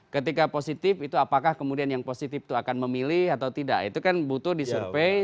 ketika positif itu apakah kemudian yang positif itu akan memilih atau tidak itu kan butuh disurvey